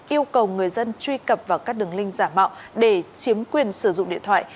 yêu cầu người dân truy cập vào các đường linh giả mạo để chiếm quyền sử dụng điện thoại